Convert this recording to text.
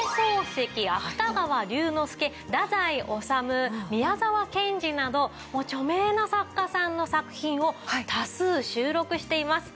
漱石芥川龍之介太宰治宮沢賢治など著名な作家さんの作品を多数収録しています。